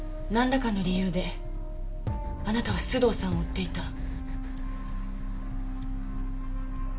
なんらかの理由であなたは須藤さんを追っていた。